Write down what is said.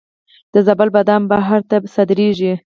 د زابل بادام بهر ته صادریږي.